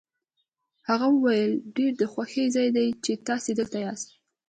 هغه وویل ډېر د خوښۍ ځای دی چې تاسي دلته یاست.